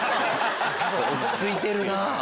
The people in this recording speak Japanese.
落ち着いてるなぁ。